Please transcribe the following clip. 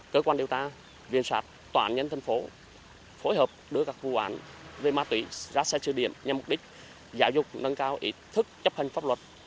cơ quan điều tra viên sát toàn nhân thành phố phối hợp đưa các vụ án về ma túy ra xe sư điện nhằm mục đích giáo dục nâng cao ý thức chấp hình pháp luật